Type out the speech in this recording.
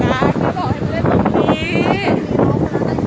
ส่วนที่หลายประหลาด